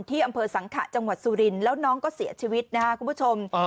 ที่อำเภอสังขะจังหวัดสุรินทร์แล้วน้องก็เสียชีวิตนะครับคุณผู้ชม